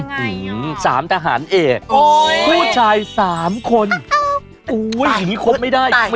อย่างไรอย่างนั้น